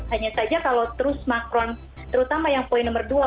hanya saja kalau terus macron terutama yang poin nomor dua